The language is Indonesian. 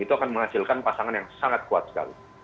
itu akan menghasilkan pasangan yang sangat kuat sekali